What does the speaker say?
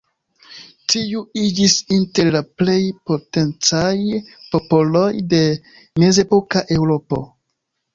Tiu iĝis inter la plej potencaj popoloj de mezepoka Eŭropo.